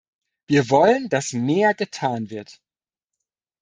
Wir wollen, dass mehr getan wird.